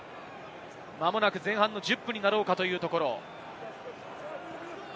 まもなく前半１０分になろうかというところ。